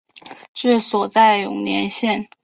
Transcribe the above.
治所在永年县。